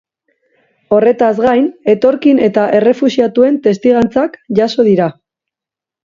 Horretaz gain, etorkin eta errefuxiatuen testigantzak jaso dira.